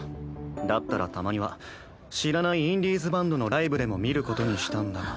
だったらたまには知らないインディーズバンドのライブでも見ることにしたんだが。